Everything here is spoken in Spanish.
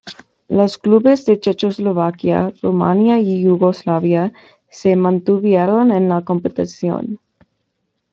Los clubes de Checoslovaquia, Rumania y Yugoslavia se mantuvieron en la competición.